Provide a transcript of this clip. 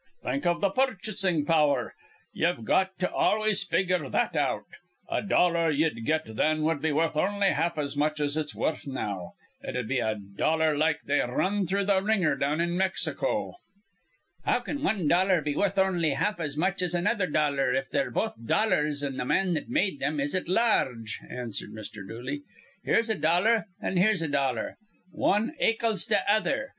"Think of the purchasing power: you've got to always figure that out. A dollar you'd get then would be worth only half as much as it's worth now. It'd be a dollar like they run through the ringer down in Mexico." "How can wan dollar be worth on'y half as much as another dollar, if they're both dollars an' th' man that made thim is at la arge?" answered Mr. Dooley. "Here's a dollar, an' here's a dollar. Wan akels th' other.